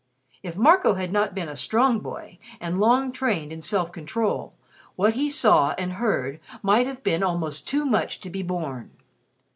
If Marco had not been a strong boy, and long trained in self control, what he saw and heard might have been almost too much to be borne.